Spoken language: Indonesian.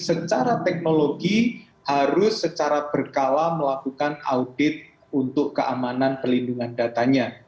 secara teknologi harus secara berkala melakukan audit untuk keamanan pelindungan datanya